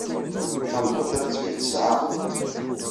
Tameṭṭut-a tettbin tesɛa.